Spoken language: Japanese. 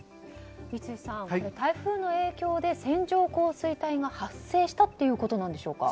三井さん、台風の影響で線状降水帯が発生したということなんでしょうか。